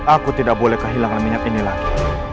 aku tidak boleh kehilangan minyak ini lagi